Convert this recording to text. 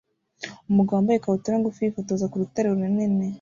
Umugabo wambaye ikabutura ngufi yifotoza ku rutare runini